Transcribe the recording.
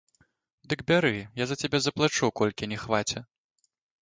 Дык бяры, я за цябе заплачу, колькі не хваце.